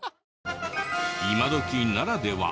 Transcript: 今どきならでは。